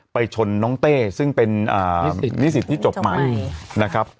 ไปชนน้องเต้ซึ่งเป็นนิสิตที่จบใหม่นะครับ